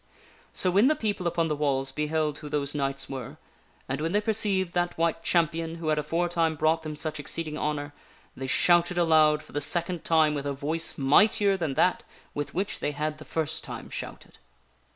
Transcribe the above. So when the people upon the walls beheld who those knights were, and when they perceived that White Champion who had aforetime brought them such exceeding honor, they shouted aloud for the second time with a voice mightier than that with which they had the first time shouted.